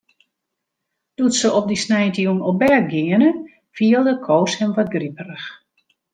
Doe't se op dy sneintejûn op bêd giene, fielde Koos him wat griperich.